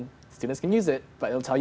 dan para pelajar bisa menggunakannya